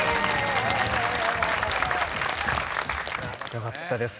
よかったです。